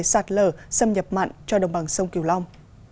sạt lở xâm nhập mặn cho đồng bằng sông kiều long